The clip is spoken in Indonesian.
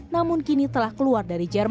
namun kini telah keluar